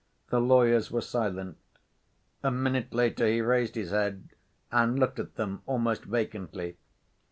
The lawyers were silent. A minute later he raised his head and looked at them almost vacantly.